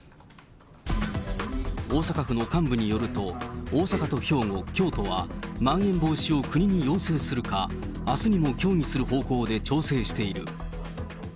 大阪府の幹部によると、大阪と兵庫、京都はまん延防止を国に要請するか、あすにも協議する方向で調整している。